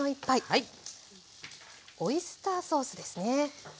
オイスターソースですね。